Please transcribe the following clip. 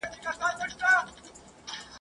باندي ملنګ دی